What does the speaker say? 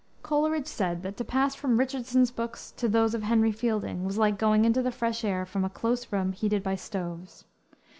Coleridge said that to pass from Richardson's books to those of Henry Fielding was like going into the fresh air from a close room heated by stoves.